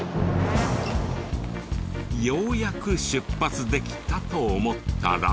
ようやく出発できたと思ったら。